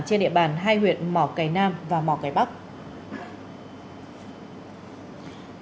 trên địa bàn hai huyện mỏ cày nam và mỏ cày bắc